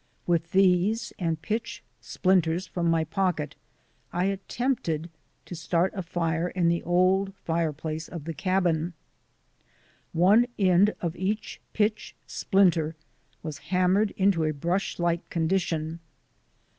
With these and pitch splinters from my pocket I attempted to start a fire in the old fireplace of the cabin. One end of each pitch splinter was hammered into a brush like condition.